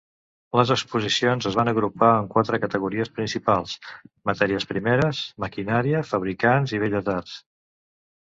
Les exposicions es van agrupar en quatre categories principals: matèries primeres, maquinària, fabricants i belles arts.